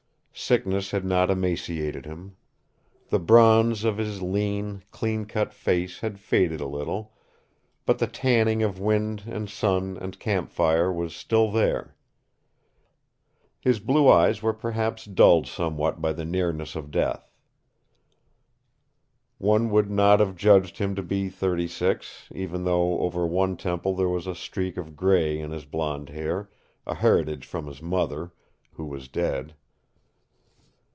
Sickness had not emaciated him. The bronze of his lean, clean cut face had faded a little, but the tanning of wind and sun and campfire was still there. His blue eyes were perhaps dulled somewhat by the nearness of death. One would not have judged him to be thirty six, even though over one temple there was a streak of gray in his blond hair a heritage from his mother, who was dead.